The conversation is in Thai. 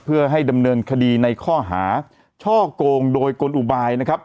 เพื่อให้ดำเนินคดีในข้อหาช่อกงโดยกลอุบายนะครับ